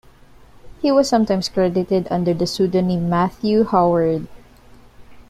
He was sometimes credited under the pseudonym Matthew Howard.